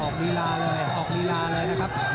ออกนิราเลยนะครับ